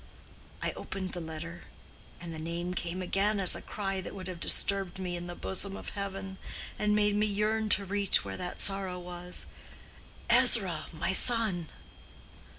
I opened the letter; and the name came again as a cry that would have disturbed me in the bosom of heaven, and made me yearn to reach where that sorrow was—'Ezra, my son!